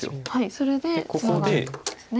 それでツナがるんですね。